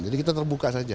jadi kita terbuka saja